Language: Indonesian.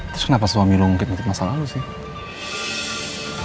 terus kenapa suami lu ngukit ngukit masa lalu sih